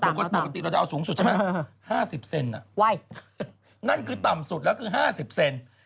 ปกติเราจะเอาสูงสุดใช่ไหม๕๐เซนนั่นคือต่ำสุดแล้วคือ๕๐เซน